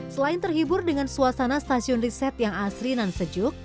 selain terhibur dengan suasana stasiun riset yang asri dan sejuk